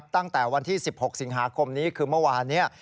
ตั้งแต่วันที่สิบหกสิบหาคมนี้คือเมื่อวานเนี่ย